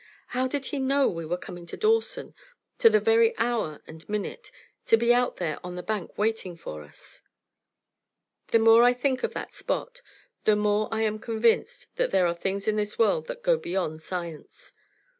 How did he know we were coming to Dawson, to the very hour and minute, to be out there on the bank waiting for us? The more I think of that Spot, the more I am convinced that there are things in this world that go beyond science.